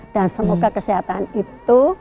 dan semoga kesehatan itu